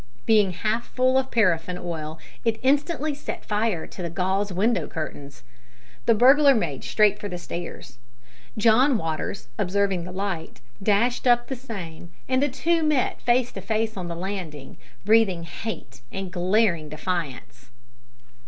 Being half full of paraffin oil it instantly set fire to the gauze window curtains. The burglar made straight for the stairs. John Waters, observing the light, dashed up the same, and the two met face to face on the landing, breathing hate and glaring defiance!